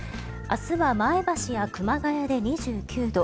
明日は前橋や熊谷で２９度。